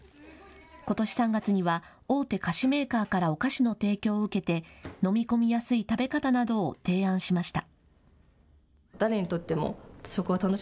ことし３月には大手菓子メーカーからお菓子の提供を受けて飲み込みやすい食べ方などを提案しました。